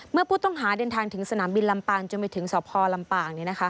เมื่อผู้ต้องหาเดินทางถึงสนามบินลำปางจนไปถึงสพลำปาง